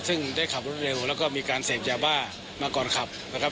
ซึ่งได้ขับรถเร็วแล้วก็มีการเสพยาบ้ามาก่อนขับนะครับ